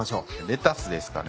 レタスですかね。